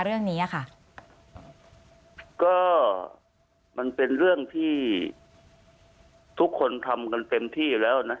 เรื่องนี้อ่ะค่ะก็มันเป็นเรื่องที่ทุกคนทำกันเต็มที่อยู่แล้วนะ